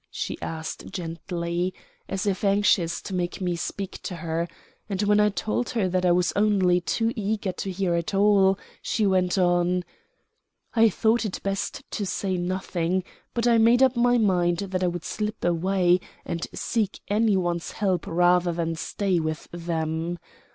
she asked gently, as if anxious to make me speak to her; and when I told her that I was only too eager to hear it all, she went on: "I thought it best to say nothing, but I made up my mind that I would slip away and seek any one's help rather than stay with them.